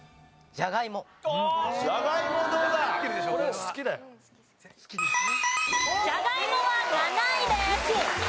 じゃがいもは７位です。